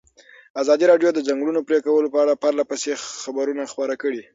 ازادي راډیو د د ځنګلونو پرېکول په اړه پرله پسې خبرونه خپاره کړي.